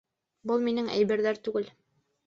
Был минең әйберҙәр түгел